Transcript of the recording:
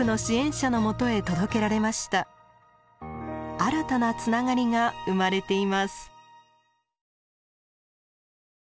新たなつながりが生まれています。